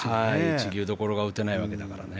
一流どころがみんな打てないわけだからね。